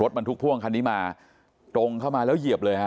บรรทุกพ่วงคันนี้มาตรงเข้ามาแล้วเหยียบเลยฮะ